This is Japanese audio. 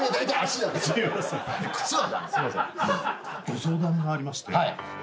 ご相談がありまして。